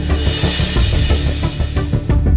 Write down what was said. ไม่ต้องกลับมาที่นี่